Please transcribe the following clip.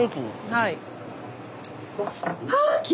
はい。